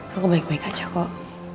kau kembali ke meka aja kok